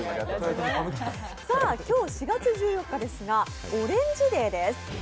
今日４月１４日ですがオレンジデーです。